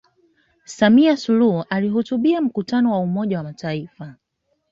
samia suluhu alihutubia mkutano wa umoja wa mataifa